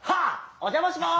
お邪魔します！